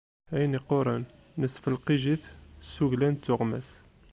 Ayen yeqquṛen, nesfelqij-it s wuglan d tuɣmas.